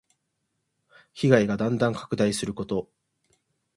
被害がだんだん拡大すること。